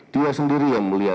dia sendiri ya mulia